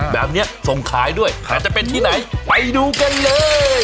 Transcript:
แบบนี้ส่งขายด้วยอาจจะเป็นที่ไหนไปดูกันเลย